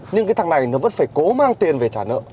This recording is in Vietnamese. nhưng cái thằng này nó vẫn phải cố mang tiền về trả nợ